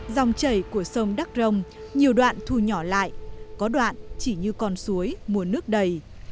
dòng chảy của sông đắk rông nhiều đoạn thu nhỏ lại có đoạn chỉ như con suối mua nước đầy